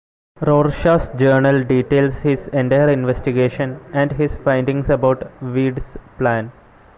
Rorschach's journal details his entire investigation and his findings about Veidt's plan.